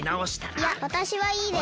いやわたしはいいです。